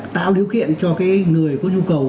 tạo điều kiện cho cái người có nhu cầu